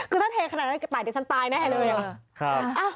ก็ถ้าเทขนาดนั้นกระต่ายเด็กฉันตายแน่เลยอะ